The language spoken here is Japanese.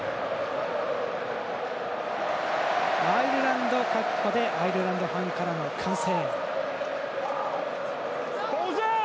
アイルランド、確保でアイルランドファンからの歓声。